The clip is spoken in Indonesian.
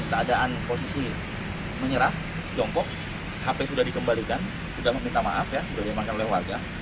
keadaan posisi menyerah jongkok hp sudah dikembalikan sudah meminta maaf ya sudah diamankan oleh warga